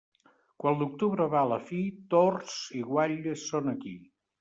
Quan l'octubre va a la fi, tords i guatlles són aquí.